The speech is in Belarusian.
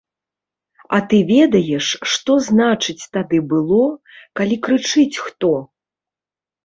А ты ведаеш, што значыць тады было, калі крычыць хто!